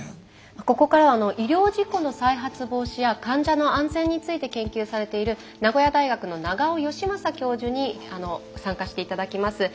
ここからは医療事故の再発防止や患者の安全について研究されている名古屋大学の長尾能雅教授に参加して頂きます。